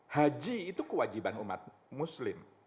haji itu kewajiban umat muslim